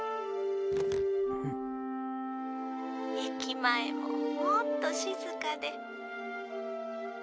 駅前ももっと静かで。